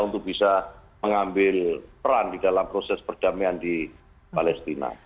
untuk bisa mengambil peran di dalam proses perdamaian di palestina